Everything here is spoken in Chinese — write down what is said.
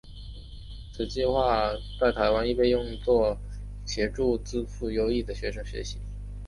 此计画在台湾亦被用在协助资赋优异的学生学习。